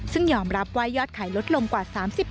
ซึ่งยอมรับว่ายอดขายลดลงกว่า๓๐